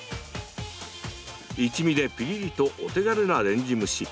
一味でピリリとお手軽なレンジ蒸し。